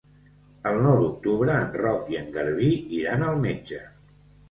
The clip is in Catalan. El nou d'octubre en Roc i en Garbí iran al metge.